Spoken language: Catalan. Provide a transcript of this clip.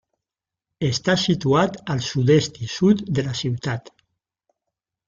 Està situat al sud-est i sud de la ciutat.